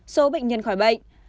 số bệnh nhân khỏi bệnh